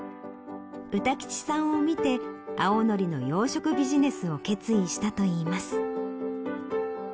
歌吉さんを見て青のりの養殖ビジネスを決意したといいます。